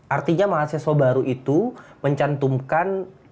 artinya mahasiswa baru itu mencantumkan